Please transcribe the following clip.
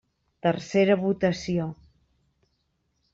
Tercera votació.